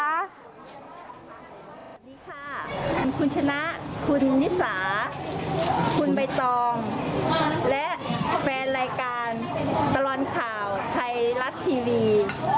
สวัสดีค่ะคุณชนะคุณนิสาคุณใบตองและแฟนรายการตลอดข่าวไทยรัฐทีวี